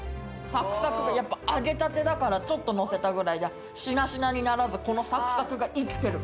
サクサクでやっぱ揚げたてだから、ちょっと乗せたぐらいじゃ、しなしなにならず、このサクサクが生きてる。